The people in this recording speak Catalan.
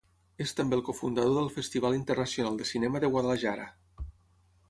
És també el cofundador del Festival Internacional de cinema de Guadalajara.